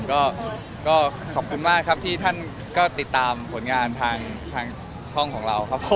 ก็ขอบคุณมากครับที่ท่านก็ติดตามผลงานทางช่องของเราครับผม